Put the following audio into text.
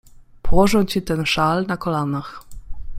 Położę ci ten szal na kolanach.